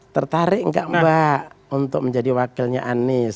tertarik enggak mbak untuk menjadi wakilnya anis